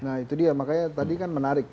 nah itu dia makanya tadi kan menarik